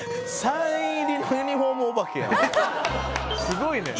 すごいね。